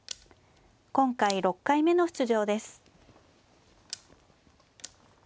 今回６回目の出場です。